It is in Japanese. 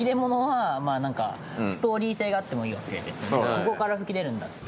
ここから噴き出るんだ。